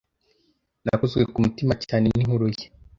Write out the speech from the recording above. Nakozwe ku mutima cyane n'inkuru ye.